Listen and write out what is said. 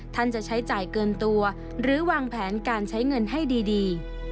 จะใช้จ่ายเกินตัวหรือวางแผนการใช้เงินให้ดี